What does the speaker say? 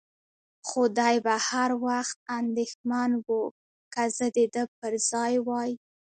خو دی به هر وخت اندېښمن و، که زه د ده پر ځای وای.